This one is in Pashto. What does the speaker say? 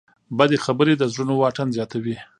بدې خبرې د زړونو واټن زیاتوي.